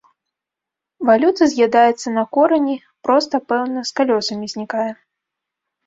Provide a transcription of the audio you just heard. Валюта з'ядаецца на корані, проста, пэўна, з калёсамі знікае.